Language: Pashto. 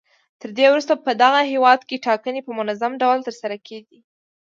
تر دې وروسته په دغه هېواد کې ټاکنې په منظم ډول ترسره کېدې.